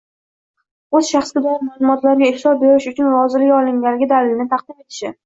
o‘z shaxsga doir ma’lumotlariga ishlov berish uchun roziligi olinganligi dalilini taqdim etishi;